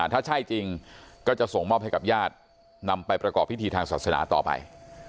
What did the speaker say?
ถ้าใช่จริงก็จะส่งมอบให้กับญาตินำไปประกอบพิธีทางศาสนาต่อไป